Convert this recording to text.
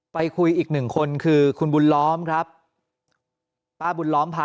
ไปคุยอีกหนึ่งคนคือคุณบุญล้อมครับป้าบุญล้อมพา